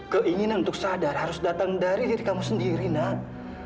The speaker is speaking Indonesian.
keinginan untuk sadar harus datang dari diri kamu sendiri nak